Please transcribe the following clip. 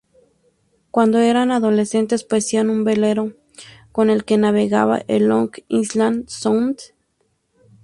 Cuando era adolescente, poseía un velero con el que navegaba en Long Island Sound.